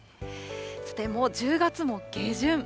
さて、もう１０月も下旬。